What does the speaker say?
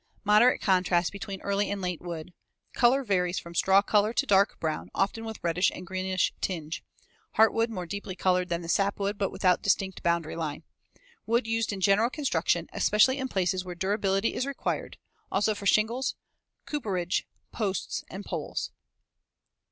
Moderate contrast between early and late wood. Color varies from straw color to dark brown, often with reddish and greenish tinge. Heartwood more deeply colored than the sapwood but without distinct boundary line. Wood used in general construction, especially in places where durability is required; also for shingles, cooperage, posts, and poles.